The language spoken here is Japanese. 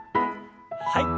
はい。